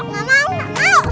gak mau gak mau